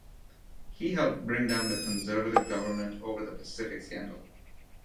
He helped bring down the Conservative government over the Pacific Scandal.